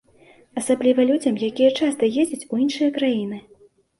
Асабліва людзям, якія часта ездзяць у іншыя краіны.